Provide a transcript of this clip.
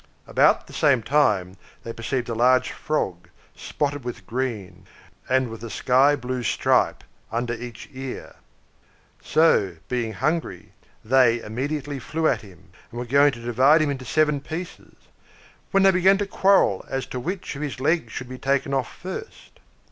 About the same time they perceived a large frog, spotted with green, and with a sky blue stripe under each ear. So, being hungry, they immediately flew at him, and were going to divide him into seven pieces, when they began to quarrel as to which of his legs should be taken off first.